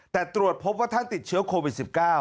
แต่ตรวจพบว่าท่านติดเชื้อโควิด๑๙